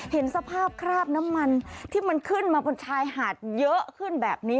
เห็นสภาพคราบน้ำมันที่มันขึ้นมาบนชายหาดเยอะขึ้นแบบนี้